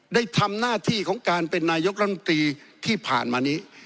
ได้ทำหน้าที่ของการเป็นนายกรัฐมนตรีที่ผ่านมานี้